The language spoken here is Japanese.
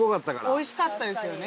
おいしかったですよね。